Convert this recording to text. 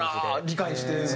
理解して。